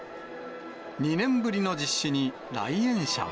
２年ぶりの実施に、来園者は。